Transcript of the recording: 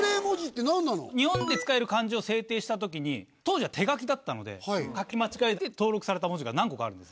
日本で使える漢字を制定した時に当時は手書きだったので書き間違えて登録された文字が何個かあるんですね。